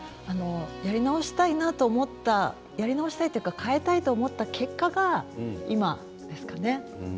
やり直したいなと思ったやり直したいっていうか変えたいなと思った結果が今ですかね。